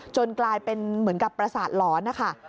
กลายเป็นเหมือนกับประสาทหลอนนะคะ